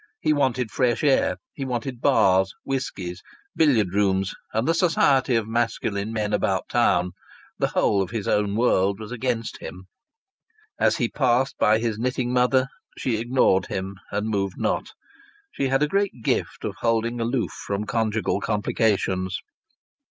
He wanted fresh air; he wanted bars, whiskies, billiard rooms and the society of masculine men about town. The whole of his own world was against him. As he passed by his knitting mother she ignored him and moved not. She had a great gift of holding aloof from conjugal complications.